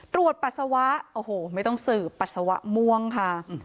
ปัสสาวะโอ้โหไม่ต้องสืบปัสสาวะม่วงค่ะ